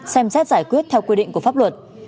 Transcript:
xem xét giải quyết theo quy định của pháp luật